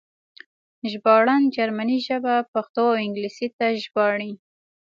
ژباړن جرمنۍ ژبه پښتو او انګلیسي ته ژباړي